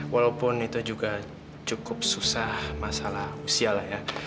walaupun itu juga cukup susah masalah usia lah ya